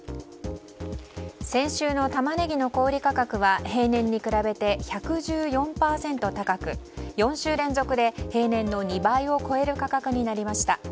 先週のタマネギの小売価格は平年に比べて１１４％高く４週連続で平年の２倍を超える価格になりました。